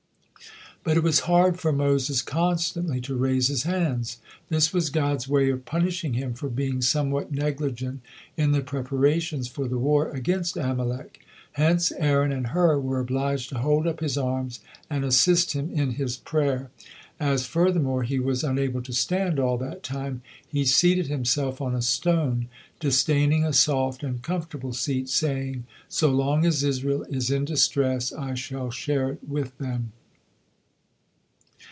But it was hard for Moses constantly to raise his hands. This was God's way of punishing him for being somewhat negligent in the preparations for the war against Amalek. Hence Aaron and Hur were obliged to hold up his arms and assist him in his prayer. As, furthermore, he was unable to stand all that time, he seated himself on a stone, disdaining a soft and comfortable seat, saying, "So long as Israel is in distress, I shall share it with them."